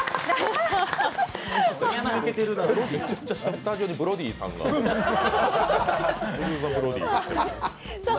スタジオにブロディさんが。